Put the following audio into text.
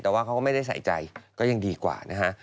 แต่ว่าเขาก็ไม่ได้ใส่ใจก็ยังดีกว่านะฮะ